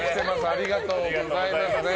ありがとうございます。